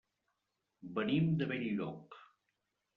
Venim de Benlloc.